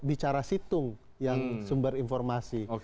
bicara situng yang sumber informasi